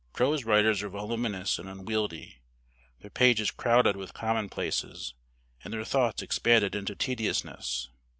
Prose writers are voluminous and unwieldy; their pages crowded with commonplaces, and their thoughts expanded into tediousness.